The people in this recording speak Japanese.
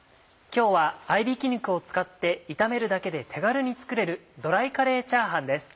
今日は合びき肉を使って炒めるだけで手軽に作れる「ドライカレーチャーハン」です。